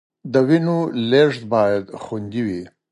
د وینې لیږد باید خوندي وي.